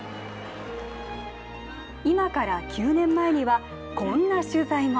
今から９年前には、こんな取材も。